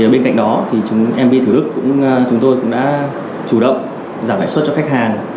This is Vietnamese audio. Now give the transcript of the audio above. bên cạnh đó mp thủ đức cũng đã chủ động giảm lại suất cho khách hàng